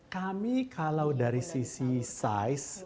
kami kalau dari sisi size